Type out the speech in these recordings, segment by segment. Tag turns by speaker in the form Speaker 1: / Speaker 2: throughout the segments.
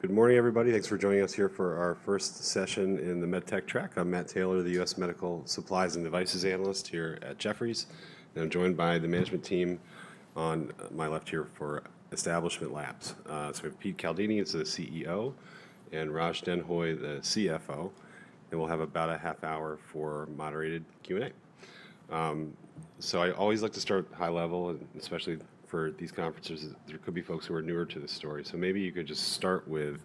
Speaker 1: Good morning, everybody. Thanks for joining us here for our first session in the MedTech track. I'm Matt Taylor, the U.S. Medical Supplies and Devices Analyst here at Jefferies. I'm joined by the management team on my left here for Establishment Labs. We have Peter Caldini, who's the CEO, and Raj Denhoy, the CFO. We'll have about a half hour for moderated Q&A. I always like to start at the high level, and especially for these conferences, there could be folks who are newer to the story. Maybe you could just start with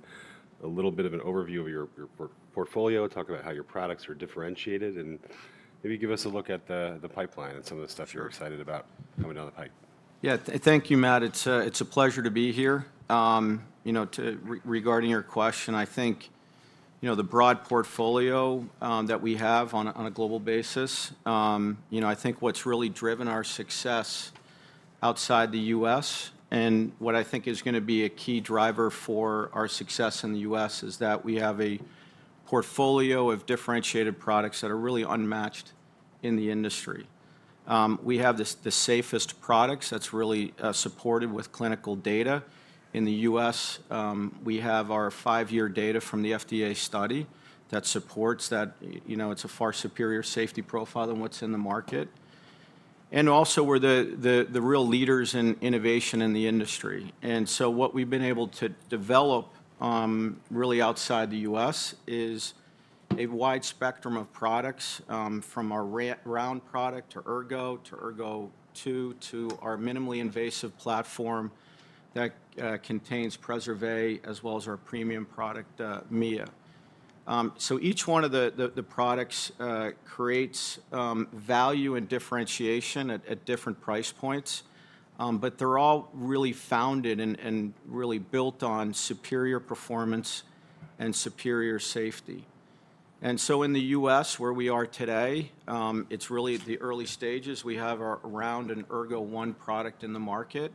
Speaker 1: a little bit of an overview of your portfolio, talk about how your products are differentiated, and maybe give us a look at the pipeline and some of the stuff you're excited about coming down the pike.
Speaker 2: Yeah, thank you, Matt. It's a pleasure to be here. Regarding your question, I think the broad portfolio that we have on a global basis, I think what's really driven our success outside the U.S. and what I think is going to be a key driver for our success in the U.S. is that we have a portfolio of differentiated products that are really unmatched in the industry. We have the safest products that's really supported with clinical data. In the U.S., we have our five-year data from the FDA study that supports that. It's a far superior safety profile than what's in the market. Also, we're the real leaders in innovation in the industry. What we've been able to develop really outside the U.S. is a wide spectrum of products, from our Round product to Ergo, to Ergo2, to our minimally invasive platform that contains Preservé, as well as our premium product, Mia. Each one of the products creates value and differentiation at different price points. They are all really founded and really built on superior performance and superior safety. In the U.S., where we are today, it is really the early stages. We have our Round and Ergo1 product in the market.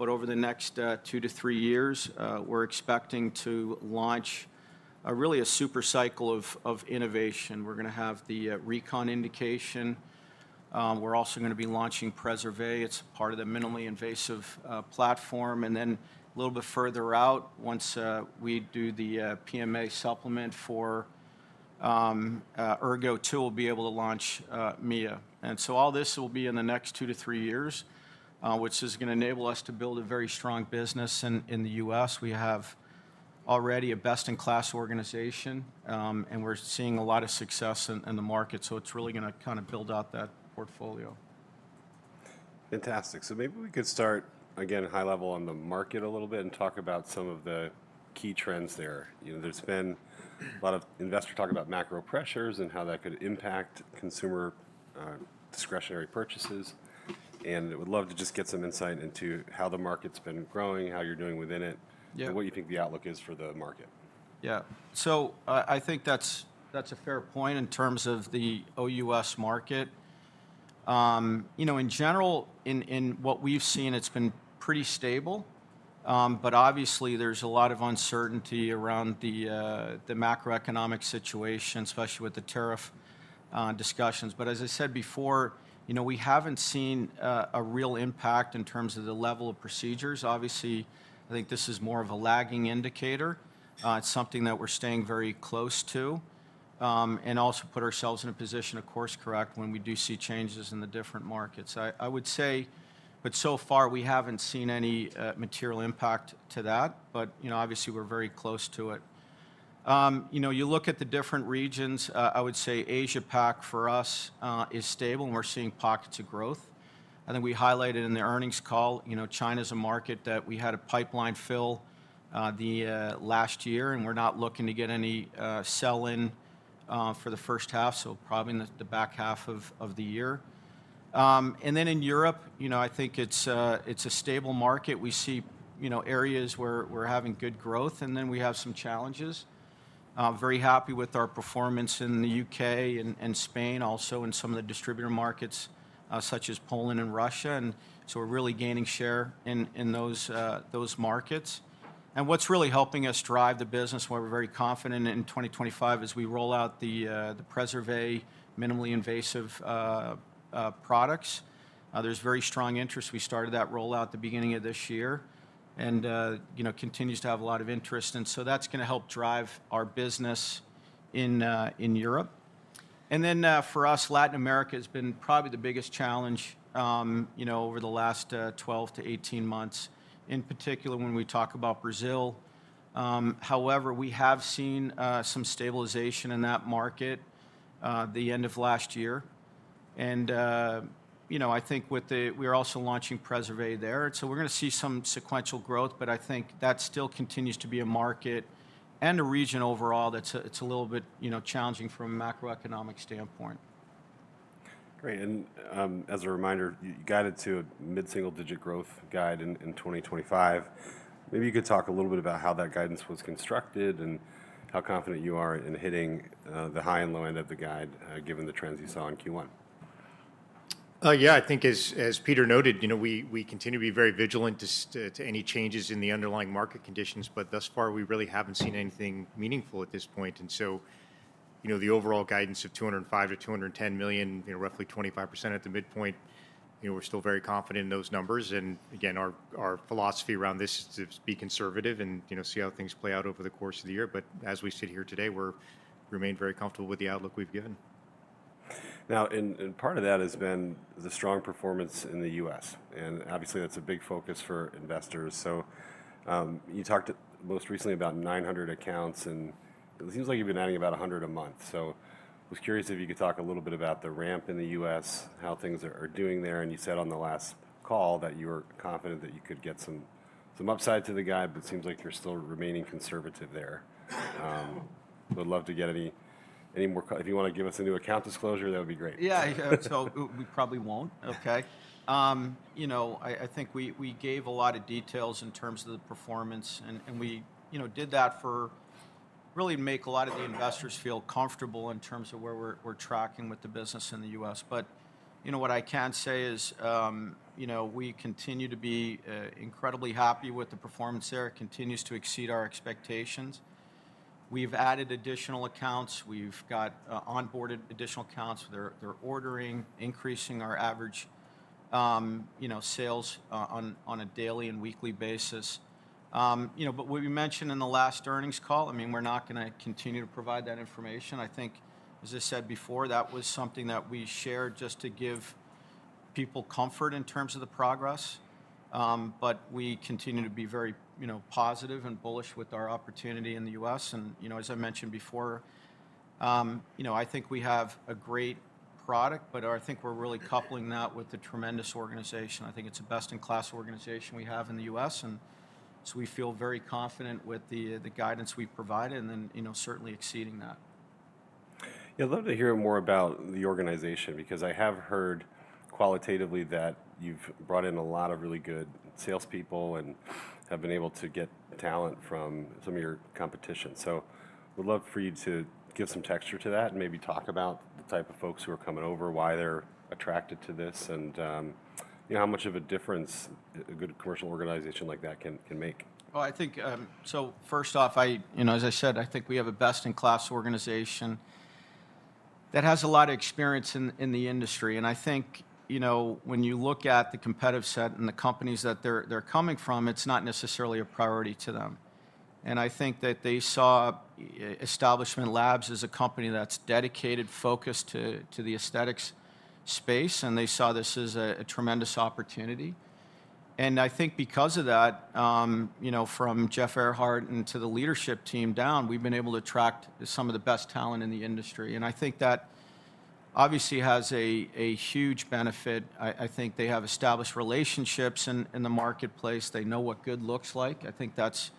Speaker 2: Over the next two to three years, we are expecting to launch really a super cycle of innovation. We are going to have the recon indication. We are also going to be launching Preservé. It is part of the minimally invasive platform. A little bit further out, once we do the PMA supplement for Ergo2, we will be able to launch Mia. All this will be in the next two to three years, which is going to enable us to build a very strong business in the U.S. We have already a best-in-class organization, and we're seeing a lot of success in the market. It is really going to kind of build out that portfolio.
Speaker 1: Fantastic. Maybe we could start, again, high level on the market a little bit and talk about some of the key trends there. There has been a lot of investors talking about macro pressures and how that could impact consumer discretionary purchases. I would love to just get some insight into how the market has been growing, how you are doing within it, what you think the outlook is for the market.
Speaker 2: Yeah. I think that's a fair point in terms of the OUS market. In general, in what we've seen, it's been pretty stable. Obviously, there's a lot of uncertainty around the macroeconomic situation, especially with the tariff discussions. As I said before, we haven't seen a real impact in terms of the level of procedures. I think this is more of a lagging indicator. It's something that we're staying very close to and also put ourselves in a position to course correct when we do see changes in the different markets. I would say, so far, we haven't seen any material impact to that. Obviously, we're very close to it. You look at the different regions, I would say Asia-Pac for us is stable, and we're seeing pockets of growth. I think we highlighted in the earnings call, China's a market that we had a pipeline fill last year, and we're not looking to get any sell-in for the first half, so probably in the back half of the year. In Europe, I think it's a stable market. We see areas where we're having good growth, and we have some challenges. Very happy with our performance in the U.K. and Spain, also in some of the distributor markets such as Poland and Russia. We're really gaining share in those markets. What's really helping us drive the business, what we're very confident in for 2025, is as we roll out the Preservé minimally invasive products. There's very strong interest. We started that rollout at the beginning of this year and it continues to have a lot of interest. That is going to help drive our business in Europe. For us, Latin America has been probably the biggest challenge over the last 12 to 18 months, in particular when we talk about Brazil. However, we have seen some stabilization in that market at the end of last year. I think we are also launching Preservé there. We are going to see some sequential growth, but I think that still continues to be a market and a region overall that is a little bit challenging from a macroeconomic standpoint.
Speaker 1: Great. As a reminder, you guided to a mid-single-digit growth guide in 2025. Maybe you could talk a little bit about how that guidance was constructed and how confident you are in hitting the high and low end of the guide, given the trends you saw in Q1.
Speaker 3: Yeah, I think as Peter noted, we continue to be very vigilant to any changes in the underlying market conditions. Thus far, we really have not seen anything meaningful at this point. The overall guidance of $205 million-$210 million, roughly 25% at the midpoint, we are still very confident in those numbers. Again, our philosophy around this is to be conservative and see how things play out over the course of the year. As we sit here today, we remain very comfortable with the outlook we have given.
Speaker 1: Now, and part of that has been the strong performance in the U.S. Obviously, that's a big focus for investors. You talked most recently about 900 accounts, and it seems like you've been adding about 100 a month. I was curious if you could talk a little bit about the ramp in the U.S., how things are doing there. You said on the last call that you were confident that you could get some upside to the guide, but it seems like you're still remaining conservative there. We'd love to get any more. If you want to give us a new account disclosure, that would be great.
Speaker 2: Yeah, so we probably won't. Okay. I think we gave a lot of details in terms of the performance, and we did that for really to make a lot of the investors feel comfortable in terms of where we're tracking with the business in the U.S. What I can say is we continue to be incredibly happy with the performance there. It continues to exceed our expectations. We've added additional accounts. We've got onboarded additional accounts. They're ordering, increasing our average sales on a daily and weekly basis. What we mentioned in the last earnings call, I mean, we're not going to continue to provide that information. I think, as I said before, that was something that we shared just to give people comfort in terms of the progress. We continue to be very positive and bullish with our opportunity in the U.S. As I mentioned before, I think we have a great product, but I think we're really coupling that with the tremendous organization. I think it's a best-in-class organization we have in the U.S. We feel very confident with the guidance we've provided and then certainly exceeding that.
Speaker 1: Yeah, I'd love to hear more about the organization, because I have heard qualitatively that you've brought in a lot of really good salespeople and have been able to get talent from some of your competition. I would love for you to give some texture to that and maybe talk about the type of folks who are coming over, why they're attracted to this, and how much of a difference a good commercial organization like that can make.
Speaker 2: I think, first off, as I said, I think we have a best-in-class organization that has a lot of experience in the industry. I think when you look at the competitive set and the companies that they are coming from, it is not necessarily a priority to them. I think that they saw Establishment Labs as a company that is dedicated, focused to the aesthetics space, and they saw this as a tremendous opportunity. I think because of that, from Jeff Ehrhardt and to the leadership team down, we have been able to attract some of the best talent in the industry. I think that obviously has a huge benefit. I think they have established relationships in the marketplace. They know what good looks like. I think that is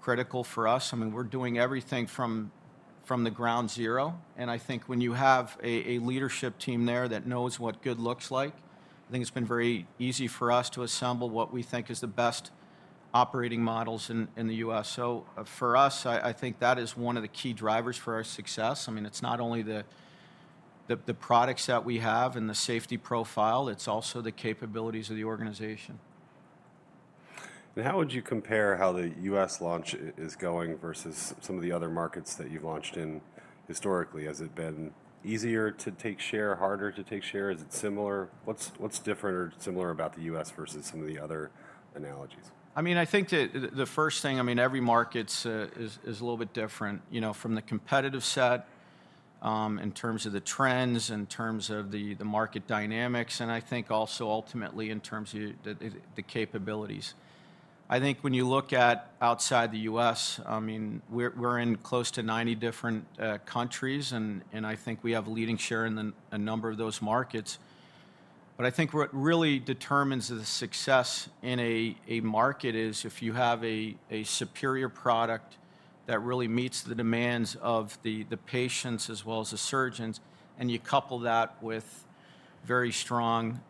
Speaker 2: critical for us. I mean, we are doing everything from the ground zero. I think when you have a leadership team there that knows what good looks like, I think it's been very easy for us to assemble what we think is the best operating models in the U.S. For us, I think that is one of the key drivers for our success. I mean, it's not only the products that we have and the safety profile. It's also the capabilities of the organization.
Speaker 1: How would you compare how the U.S. launch is going versus some of the other markets that you've launched in historically? Has it been easier to take share, harder to take share? Is it similar? What's different or similar about the U.S. versus some of the other analogies?
Speaker 2: I mean, I think the first thing, I mean, every market is a little bit different from the competitive set in terms of the trends, in terms of the market dynamics, and I think also ultimately in terms of the capabilities. I think when you look at outside the U.S., I mean, we're in close to 90 different countries, and I think we have a leading share in a number of those markets. I think what really determines the success in a market is if you have a superior product that really meets the demands of the patients as well as the surgeons, and you couple that with very strong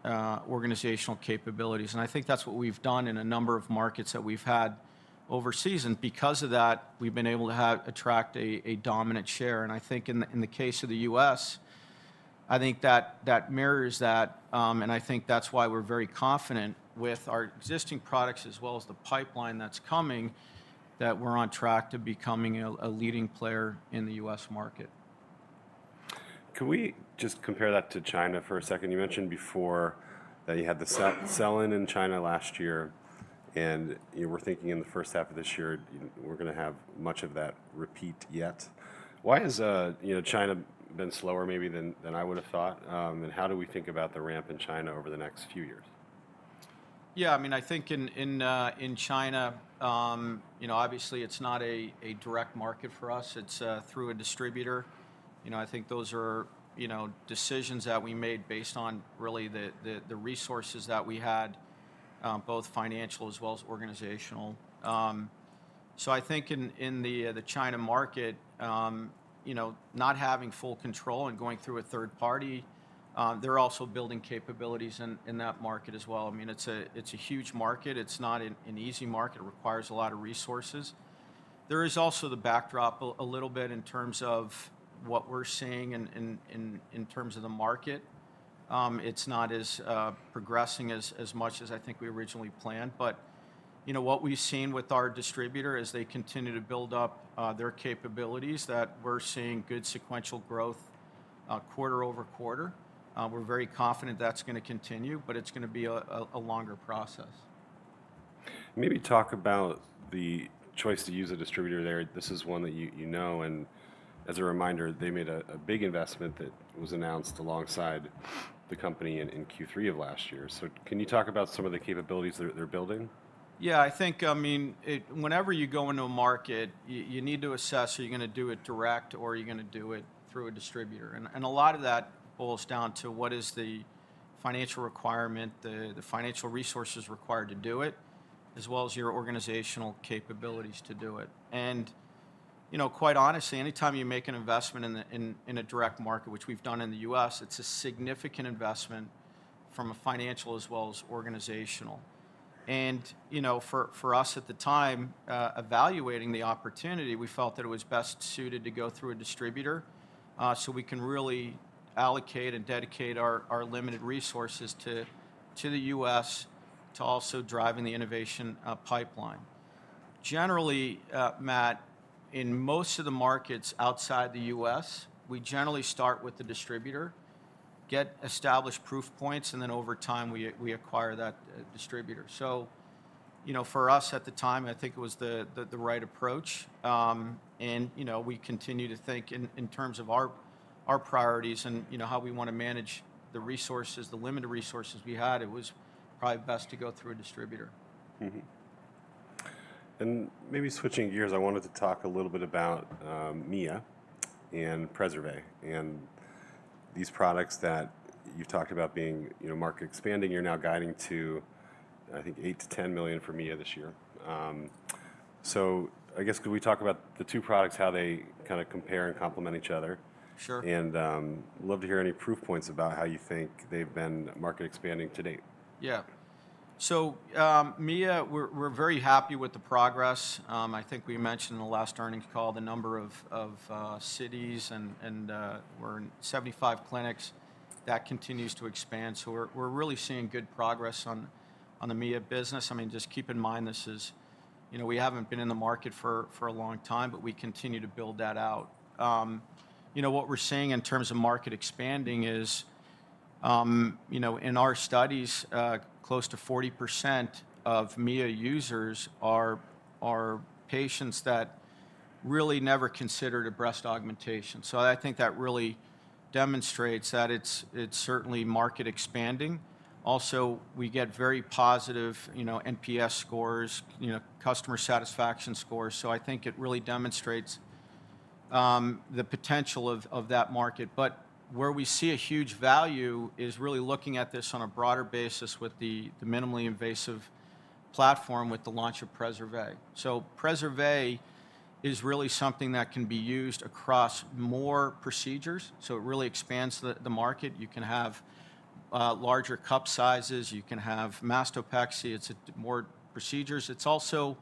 Speaker 2: organizational capabilities. I think that's what we've done in a number of markets that we've had overseas. Because of that, we've been able to attract a dominant share. I think in the case of the U.S., I think that mirrors that. I think that's why we're very confident with our existing products as well as the pipeline that's coming, that we're on track to becoming a leading player in the U.S. market.
Speaker 1: Can we just compare that to China for a second? You mentioned before that you had the sell-in in China last year, and we're thinking in the first half of this year, we're going to have much of that repeat yet. Why has China been slower maybe than I would have thought? How do we think about the ramp in China over the next few years?
Speaker 2: Yeah, I mean, I think in China, obviously, it's not a direct market for us. It's through a distributor. I think those are decisions that we made based on really the resources that we had, both financial as well as organizational. I think in the China market, not having full control and going through a third party, they're also building capabilities in that market as well. I mean, it's a huge market. It's not an easy market. It requires a lot of resources. There is also the backdrop a little bit in terms of what we're seeing in terms of the market. It's not as progressing as much as I think we originally planned. What we've seen with our distributor is they continue to build up their capabilities, that we're seeing good sequential growth quarter over quarter. We're very confident that's going to continue, but it's going to be a longer process.
Speaker 1: Maybe talk about the choice to use a distributor there. This is one that you know. And as a reminder, they made a big investment that was announced alongside the company in Q3 of last year. So can you talk about some of the capabilities they're building?
Speaker 2: Yeah, I think, I mean, whenever you go into a market, you need to assess, are you going to do it direct or are you going to do it through a distributor? A lot of that boils down to what is the financial requirement, the financial resources required to do it, as well as your organizational capabilities to do it. Quite honestly, anytime you make an investment in a direct market, which we've done in the U.S., it's a significant investment from a financial as well as organizational. For us at the time, evaluating the opportunity, we felt that it was best suited to go through a distributor so we can really allocate and dedicate our limited resources to the U.S. to also driving the innovation pipeline. Generally, Matt, in most of the markets outside the U.S., we generally start with the distributor, get established proof points, and then over time, we acquire that distributor. For us at the time, I think it was the right approach. We continue to think in terms of our priorities and how we want to manage the resources, the limited resources we had, it was probably best to go through a distributor.
Speaker 1: Maybe switching gears, I wanted to talk a little bit about Mia and Preservé and these products that you've talked about being market expanding. You're now guiding to, I think, $8 million-$10 million for Mia this year. I guess could we talk about the two products, how they kind of compare and complement each other?
Speaker 2: Sure.
Speaker 1: I'd love to hear any proof points about how you think they've been market expanding to date.
Speaker 2: Yeah. So Mia, we're very happy with the progress. I think we mentioned in the last earnings call the number of cities, and we're in 75 clinics. That continues to expand. We're really seeing good progress on the Mia business. I mean, just keep in mind, we haven't been in the market for a long time, but we continue to build that out. What we're seeing in terms of market expanding is in our studies, close to 40% of Mia users are patients that really never considered a breast augmentation. I think that really demonstrates that it's certainly market expanding. Also, we get very positive NPS scores, customer satisfaction scores. I think it really demonstrates the potential of that market. Where we see a huge value is really looking at this on a broader basis with the minimally invasive platform with the launch of Preservé. Preservé is really something that can be used across more procedures. It really expands the market. You can have larger cup sizes. You can have mastopexy. It is more procedures. It is also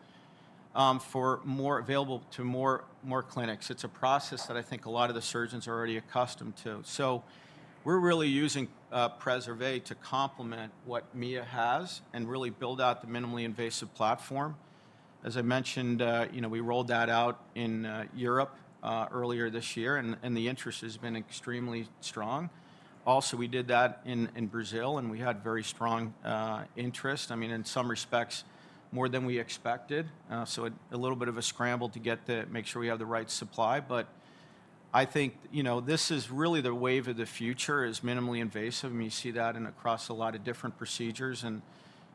Speaker 2: available to more clinics. It is a process that I think a lot of the surgeons are already accustomed to. We are really using Preservé to complement what Mia has and really build out the minimally invasive platform. As I mentioned, we rolled that out in Europe earlier this year, and the interest has been extremely strong. Also, we did that in Brazil, and we had very strong interest, I mean, in some respects, more than we expected. A little bit of a scramble to make sure we have the right supply. I think this is really the wave of the future, minimally invasive. I mean, you see that across a lot of different procedures.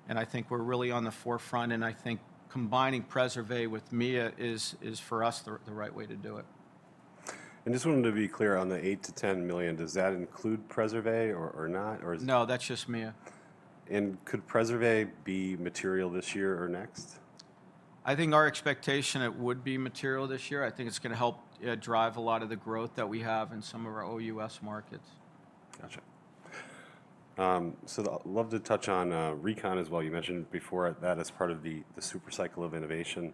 Speaker 2: I think we're really on the forefront. I think combining Preservé with Mia is for us the right way to do it.
Speaker 1: Just wanted to be clear on the $8 million-$10 million. Does that include Preservé or not?
Speaker 2: No, that's just Mia.
Speaker 1: Could Preservé be material this year or next?
Speaker 2: I think our expectation, it would be material this year. I think it's going to help drive a lot of the growth that we have in some of our OUS markets.
Speaker 1: Gotcha. I'd love to touch on Recon as well. You mentioned before that as part of the supercycle of innovation.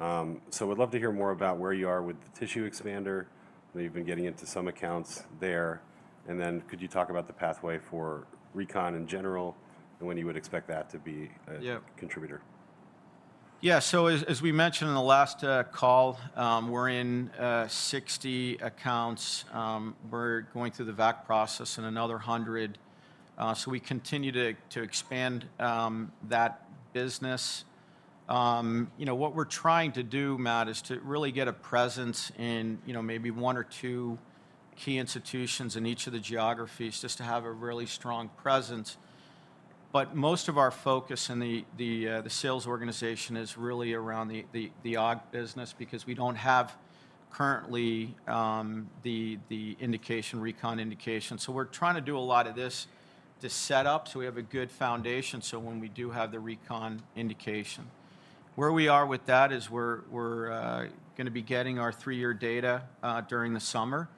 Speaker 1: I'd love to hear more about where you are with the tissue expander. I know you've been getting into some accounts there. Could you talk about the pathway for Recon in general and when you would expect that to be a contributor?
Speaker 2: Yeah. As we mentioned in the last call, we're in 60 accounts. We're going through the VAC process in another 100. We continue to expand that business. What we're trying to do, Matt, is to really get a presence in maybe one or two key institutions in each of the geographies just to have a really strong presence. Most of our focus in the sales organization is really around the Aug business because we don't have currently the Recon indication. We're trying to do a lot of this to set up so we have a good foundation when we do have the Recon indication. Where we are with that is we're going to be getting our three-year data during the summer.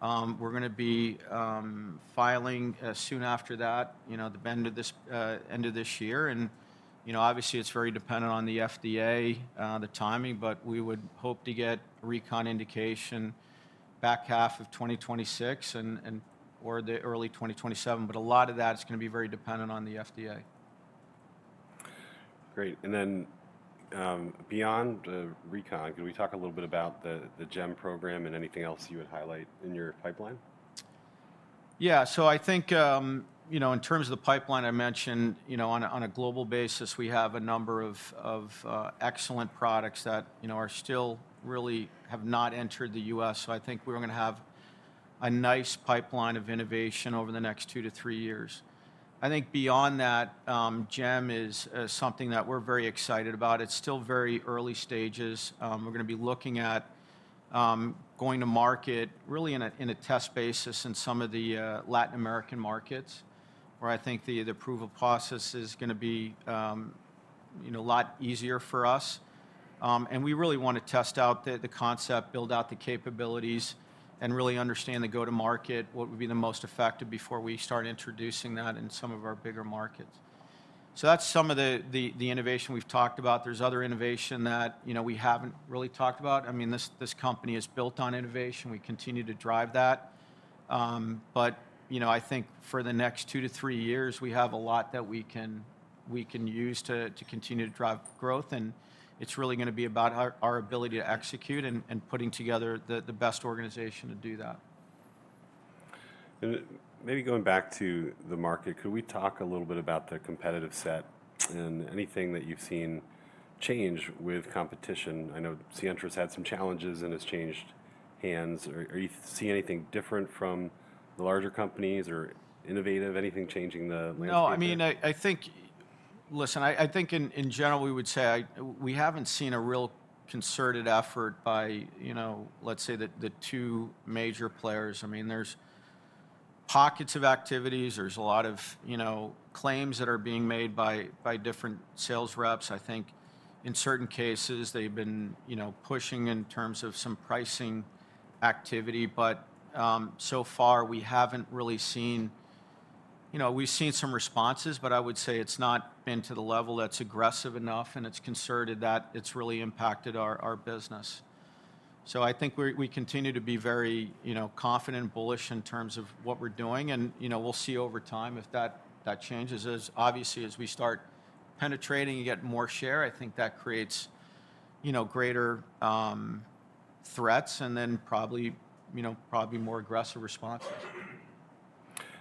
Speaker 2: We're going to be filing soon after that, the end of this year. Obviously, it's very dependent on the FDA, the timing, but we would hope to get Recon indication back half of 2026 or the early 2027. A lot of that is going to be very dependent on the FDA.
Speaker 1: Great. Beyond Recon, can we talk a little bit about the GEM program and anything else you would highlight in your pipeline?
Speaker 2: Yeah. I think in terms of the pipeline I mentioned, on a global basis, we have a number of excellent products that still really have not entered the U.S. I think we're going to have a nice pipeline of innovation over the next two to three years. I think beyond that, GEM is something that we're very excited about. It's still very early stages. We're going to be looking at going to market really in a test basis in some of the Latin American markets where I think the approval process is going to be a lot easier for us. We really want to test out the concept, build out the capabilities, and really understand the go-to-market, what would be the most effective before we start introducing that in some of our bigger markets. That's some of the innovation we've talked about. There's other innovation that we haven't really talked about. I mean, this company is built on innovation. We continue to drive that. I think for the next two to three years, we have a lot that we can use to continue to drive growth. It's really going to be about our ability to execute and putting together the best organization to do that.
Speaker 1: Maybe going back to the market, could we talk a little bit about the competitive set and anything that you've seen change with competition? I know Sientra's had some challenges and has changed hands. Are you seeing anything different from the larger companies or innovative? Anything changing the landscape?
Speaker 2: No, I mean, I think, listen, I think in general, we would say we haven't seen a real concerted effort by, let's say, the two major players. I mean, there's pockets of activities. There's a lot of claims that are being made by different sales reps. I think in certain cases, they've been pushing in terms of some pricing activity. But so far, we haven't really seen, we've seen some responses, but I would say it's not been to the level that's aggressive enough and it's concerted that it's really impacted our business. I think we continue to be very confident and bullish in terms of what we're doing. We'll see over time if that changes. Obviously, as we start penetrating and get more share, I think that creates greater threats and then probably more aggressive responses.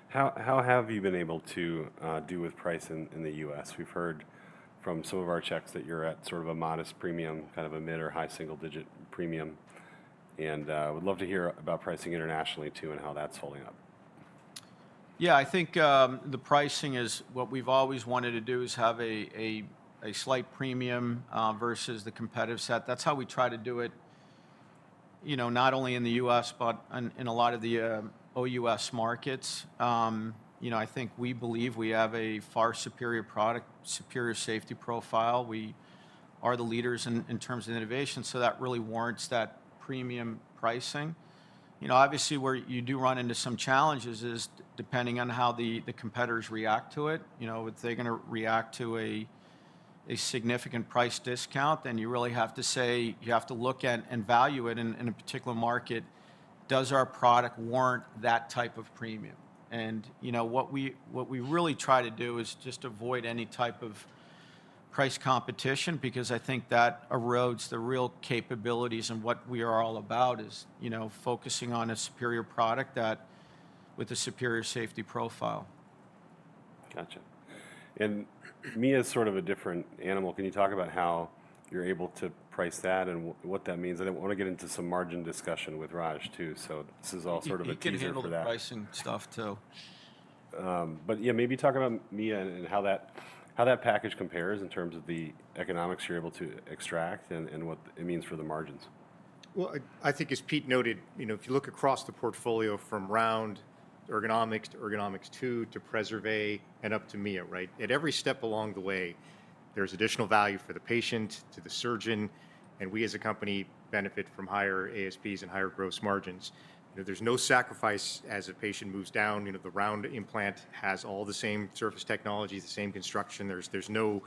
Speaker 1: How have you been able to do with price in the U.S.? We've heard from some of our checks that you're at sort of a modest premium, kind of a mid or high single-digit premium. I would love to hear about pricing internationally too and how that's holding up.
Speaker 2: Yeah, I think the pricing is what we've always wanted to do is have a slight premium versus the competitive set. That's how we try to do it, not only in the U.S., but in a lot of the OUS markets. I think we believe we have a far superior product, superior safety profile. We are the leaders in terms of innovation. That really warrants that premium pricing. Obviously, where you do run into some challenges is depending on how the competitors react to it. If they're going to react to a significant price discount, then you really have to say you have to look at and value it in a particular market. Does our product warrant that type of premium? What we really try to do is just avoid any type of price competition because I think that erodes the real capabilities, and what we are all about is focusing on a superior product with a superior safety profile.
Speaker 1: Gotcha. Mia is sort of a different animal. Can you talk about how you're able to price that and what that means? I want to get into some margin discussion with Raj too. This is all sort of a team.
Speaker 2: We can handle the pricing stuff too.
Speaker 1: Yeah, maybe talk about Mia and how that package compares in terms of the economics you're able to extract and what it means for the margins.
Speaker 3: I think as Peter noted, if you look across the portfolio from Round, Ergonomics, to Ergonomics 2, to Preservé, and up to Mia, right? At every step along the way, there's additional value for the patient, to the surgeon. And we as a company benefit from higher ASPs and higher gross margins. There's no sacrifice as a patient moves down. The Round implant has all the same surface technology, the same construction. There's no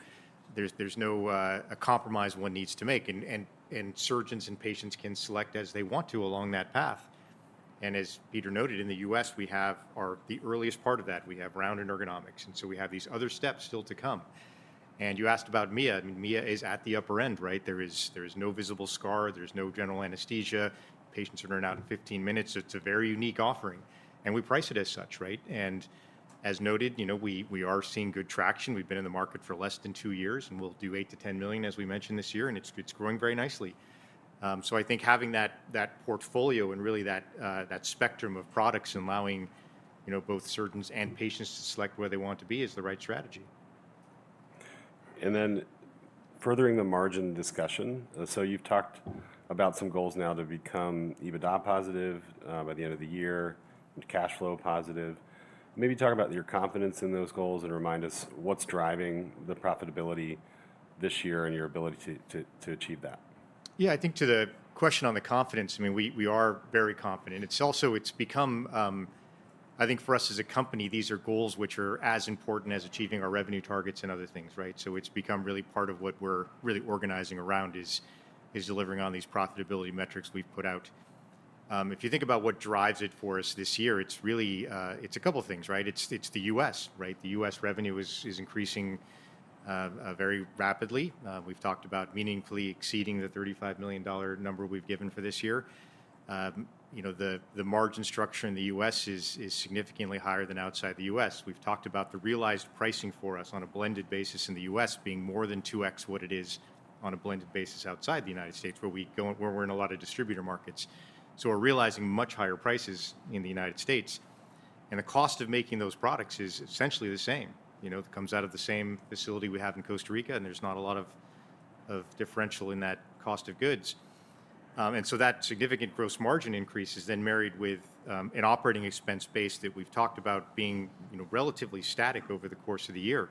Speaker 3: compromise one needs to make. And surgeons and patients can select as they want to along that path. As Peter noted, in the U.S., we have the earliest part of that. We have Round and Ergonomics. We have these other steps still to come. You asked about Mia. I mean, Mia is at the upper end, right? There is no visible scar. There's no general anesthesia. Patients are in and out in 15 minutes. It's a very unique offering. We price it as such, right? As noted, we are seeing good traction. We've been in the market for less than two years, and we'll do $8 million-$10 million, as we mentioned this year, and it's growing very nicely. I think having that portfolio and really that spectrum of products and allowing both surgeons and patients to select where they want to be is the right strategy.
Speaker 1: Furthering the margin discussion. You've talked about some goals now to become EBITDA positive by the end of the year, cash flow positive. Maybe talk about your confidence in those goals and remind us what's driving the profitability this year and your ability to achieve that.
Speaker 3: Yeah, I think to the question on the confidence, I mean, we are very confident. It has also become, I think for us as a company, these are goals which are as important as achieving our revenue targets and other things, right? It has become really part of what we're really organizing around is delivering on these profitability metrics we've put out. If you think about what drives it for us this year, it's a couple of things, right? It's the U.S., right? The U.S. revenue is increasing very rapidly. We've talked about meaningfully exceeding the $35 million number we've given for this year. The margin structure in the U.S. is significantly higher than outside the U.S. We've talked about the realized pricing for us on a blended basis in the U.S. being more than 2x what it is on a blended basis outside the U.S. where we're in a lot of distributor markets. We're realizing much higher prices in the U.S. The cost of making those products is essentially the same. It comes out of the same facility we have in Costa Rica, and there's not a lot of differential in that cost of goods. That significant gross margin increase is then married with an operating expense base that we've talked about being relatively static over the course of the year.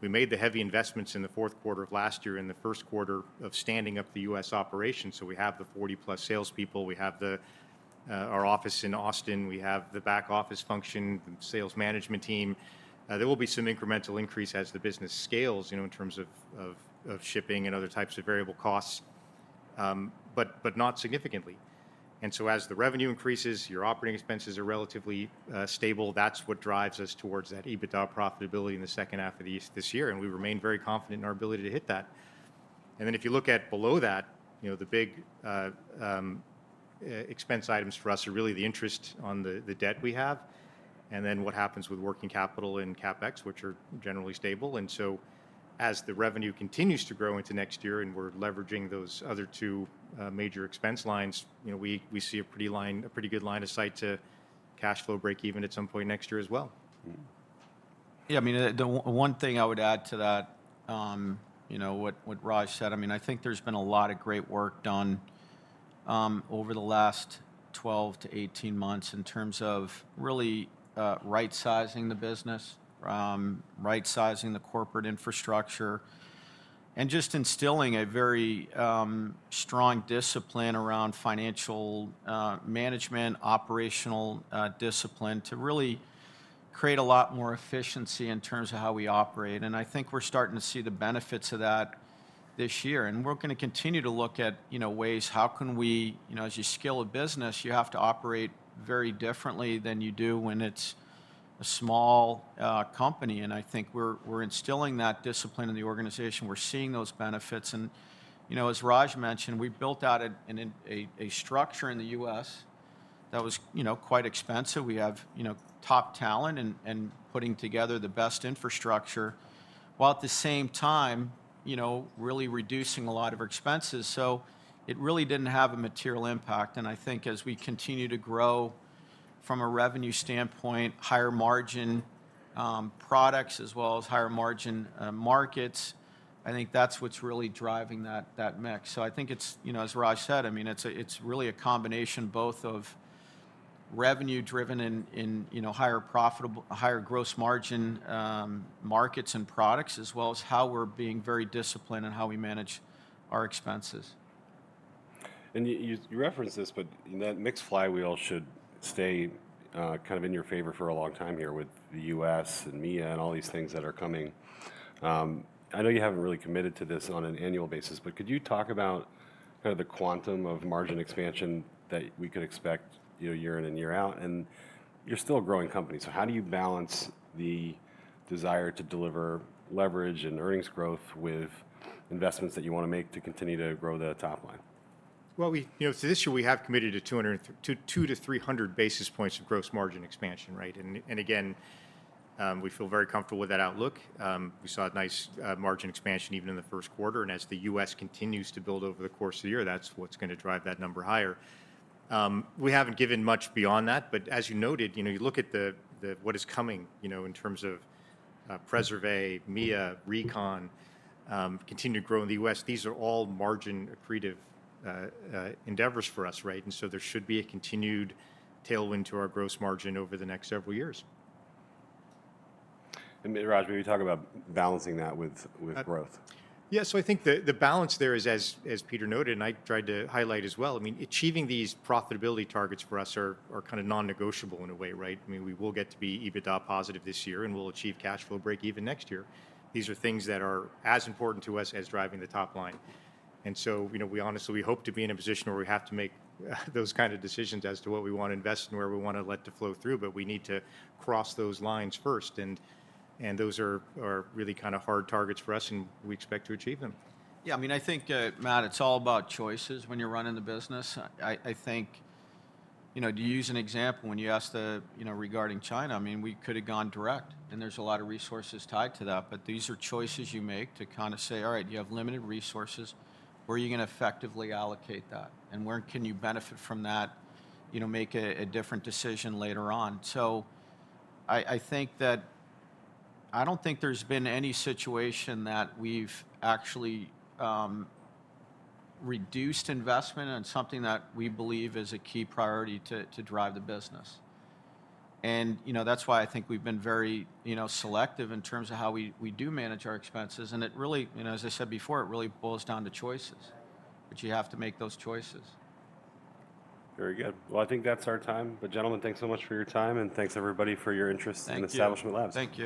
Speaker 3: We made the heavy investments in the fourth quarter of last year and the first quarter of standing up the U.S. operation. We have the 40-plus salespeople. We have our office in Austin. We have the back office function, the sales management team. There will be some incremental increase as the business scales in terms of shipping and other types of variable costs, but not significantly. As the revenue increases, your operating expenses are relatively stable. That is what drives us towards that EBITDA profitability in the second half of this year. We remain very confident in our ability to hit that. If you look at below that, the big expense items for us are really the interest on the debt we have and then what happens with working capital and CapEx, which are generally stable. As the revenue continues to grow into next year and we are leveraging those other two major expense lines, we see a pretty good line of sight to cash flow break even at some point next year as well.
Speaker 2: Yeah, I mean, one thing I would add to that, what Raj said, I mean, I think there's been a lot of great work done over the last 12 to 18 months in terms of really right-sizing the business, right-sizing the corporate infrastructure, and just instilling a very strong discipline around financial management, operational discipline to really create a lot more efficiency in terms of how we operate. I think we're starting to see the benefits of that this year. We're going to continue to look at ways how can we, as you scale a business, you have to operate very differently than you do when it's a small company. I think we're instilling that discipline in the organization. We're seeing those benefits. As Raj mentioned, we built out a structure in the U.S. that was quite expensive. We have top talent and putting together the best infrastructure while at the same time really reducing a lot of expenses. It really did not have a material impact. I think as we continue to grow from a revenue standpoint, higher margin products as well as higher margin markets, I think that is what is really driving that mix. I think as Raj said, I mean, it is really a combination both of revenue-driven and higher gross margin markets and products as well as how we are being very disciplined in how we manage our expenses.
Speaker 1: You referenced this, but that mixed flywheel should stay kind of in your favor for a long time here with the U.S. and Mia and all these things that are coming. I know you have not really committed to this on an annual basis, but could you talk about kind of the quantum of margin expansion that we could expect year in and year out? You are still a growing company. How do you balance the desire to deliver leverage and earnings growth with investments that you want to make to continue to grow the top line?
Speaker 3: This year we have committed to 200-300 basis points of gross margin expansion, right? Again, we feel very comfortable with that outlook. We saw a nice margin expansion even in the first quarter. As the U.S. continues to build over the course of the year, that's what's going to drive that number higher. We haven't given much beyond that. As you noted, you look at what is coming in terms of Preservé, Mia, Recon, continued growth in the U.S. These are all margin accretive endeavors for us, right? There should be a continued tailwind to our gross margin over the next several years.
Speaker 1: Raj, maybe talk about balancing that with growth.
Speaker 3: Yeah, so I think the balance there is, as Peter noted, and I tried to highlight as well, I mean, achieving these profitability targets for us are kind of non-negotiable in a way, right? I mean, we will get to be EBITDA positive this year and we'll achieve cash flow break even next year. These are things that are as important to us as driving the top line. I mean, we honestly hope to be in a position where we have to make those kinds of decisions as to what we want to invest and where we want to let the flow through, but we need to cross those lines first. Those are really kind of hard targets for us and we expect to achieve them.
Speaker 2: Yeah, I mean, I think, Matt, it's all about choices when you're running the business. I think to use an example, when you asked regarding China, I mean, we could have gone direct. There are a lot of resources tied to that. These are choices you make to kind of say, all right, you have limited resources. Where are you going to effectively allocate that? Where can you benefit from that, make a different decision later on? I don't think there's been any situation that we've actually reduced investment on something that we believe is a key priority to drive the business. That's why I think we've been very selective in terms of how we do manage our expenses. As I said before, it really boils down to choices, but you have to make those choices.
Speaker 1: Very good. I think that's our time. Gentlemen, thanks so much for your time. Thanks, everybody, for your interest in Establishment Labs.
Speaker 2: Thank you.